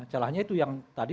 celahnya itu yang tadi